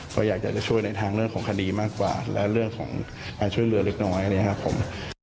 ก็อยากจะช่วยในทางเรื่องของคดีมากกว่าและเรื่องของการช่วยเหลือเล็กน้อยอะไรอย่างนี้ครับผม